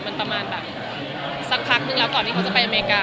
มันประมาณแบบสักพักนึงแล้วก่อนที่เขาจะไปอเมริกา